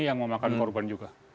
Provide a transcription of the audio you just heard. yang memakan korban juga